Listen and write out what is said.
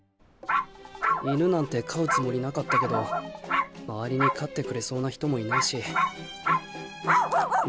犬なんて飼うつもりなかったけど周りに飼ってくれそうな人もいないしわんおんおんおんおん！